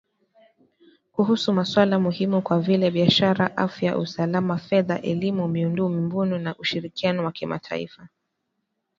kuhusu masuala muhimu kama vile biashara , afya , usalama , fedha , elimu , miundo mbinu na ushirikiano wa kimataifa